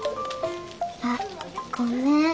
あっごめん。